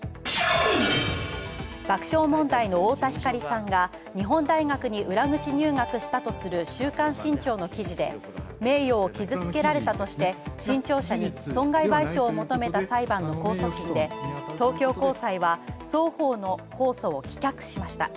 爆笑問題の太田光さんが日本大学に裏口入学したとする週刊新潮の記事で名誉を傷つけられたとして新潮社に損害賠償を求めた裁判の控訴審で、東京高裁は、双方の控訴を棄却しました。